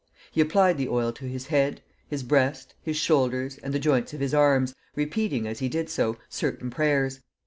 He applied the oil to his head, his breast, his shoulders, and the joints of his arms, repeating, as he did so, certain prayers.